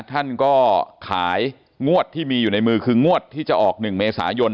ท่านก็ขายงวดที่มีอยู่ในมือคืองวดที่จะออก๑เมษายน